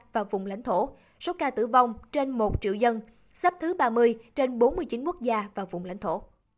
và vùng lãnh thổ số ca tử vong trên một triệu dân sắp thứ ba mươi trên bốn mươi chín quốc gia và vùng lãnh thổ